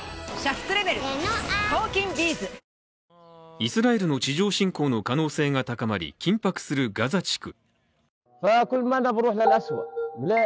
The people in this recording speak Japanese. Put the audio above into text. イスラエルの地上侵攻の可能性が高まり緊迫するガザ地区。